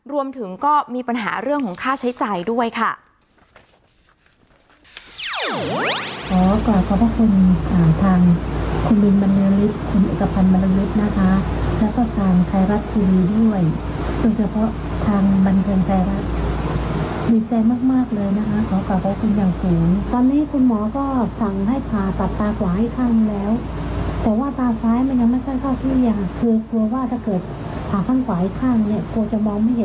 รวมถึงก็มีปัญหาเรื่องของค่าใช้จ่ายด้วยค่ะ